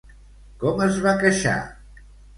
Com es va queixar?